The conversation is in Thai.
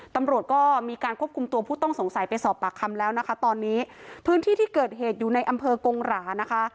ตำรวจก็มีการควบคุมตัวผู้ต้องสงสัยไปสอบปากคำแล้วนะคะตอนนี้พื้นที่ที่เกิดเหตุอยู่ในอำเภอกงหรานะคะ